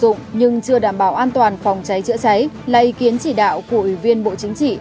dụng nhưng chưa đảm bảo an toàn phòng cháy chữa cháy là ý kiến chỉ đạo của ủy viên bộ chính trị